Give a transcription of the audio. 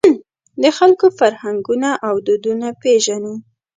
د خلکو فرهنګونه او دودونه پېژنو.